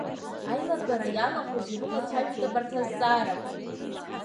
Аилатәара иалахәыз ирылацәажәеит абарҭ азҵаарақәа…